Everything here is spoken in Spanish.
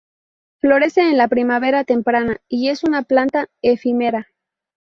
Florece en la primavera temprana y es una planta efímera.